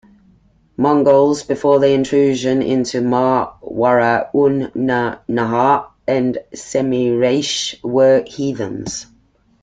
Mongols, before their intrusion into Ma wara'u'n-nahr and Semirechye were heathens.